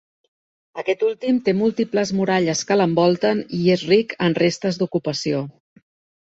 Aquest últim té múltiples muralles que l'envolten i és ric en restes d'ocupació.